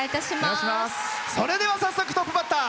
それでは早速トップバッター。